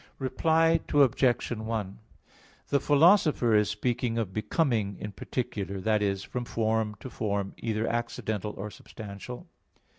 Reply Obj. 1: The Philosopher (Phys. i, text 62), is speaking of "becoming" in particular that is, from form to form, either accidental or substantial.